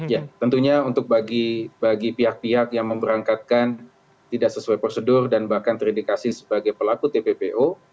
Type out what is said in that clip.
ya tentunya untuk bagi pihak pihak yang memberangkatkan tidak sesuai prosedur dan bahkan terindikasi sebagai pelaku tppo